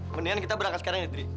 mendingan kita berangkat sekarang ya dri